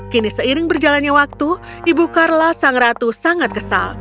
kini seiring berjalannya waktu ibu karla sang ratu sangat kesal